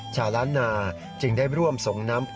ชาวล้านนาจึงได้ร่วมส่งน้ำ